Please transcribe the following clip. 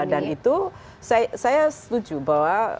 dan itu saya setuju bahwa